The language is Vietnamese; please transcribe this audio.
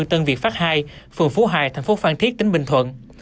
tân việt pháp hai phường phú hai thành phố phan thiết tỉnh bình thuận